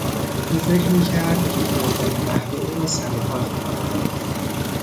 او فکر میکرد که خوردن قهوه او را سرحال خواهد آورد.